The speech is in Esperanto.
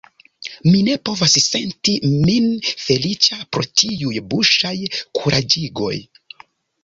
Mi ne povas senti min feliĉa pro tiuj buŝaj kuraĝigoj.